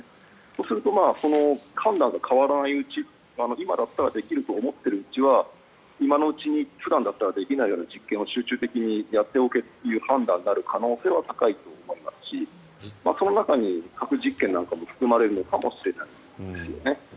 そうすると判断が変わらないうちは今だったらできると思っているうちは今のうちだったら普段ではできないような実験を集中的にやっておけという判断になる可能性は高いと思いますしその中に核実験なんかも含まれるかもしれないですよね。